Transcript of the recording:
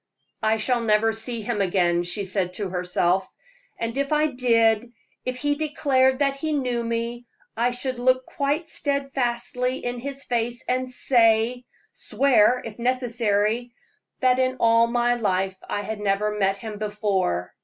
"I shall never see him again," she said to herself; "and if I did if he declared that he knew me I should look quite steadily in his face and say swear, if necessary that in all my life I had never met him before.